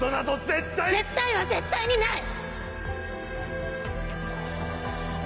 「絶対」は絶対にない！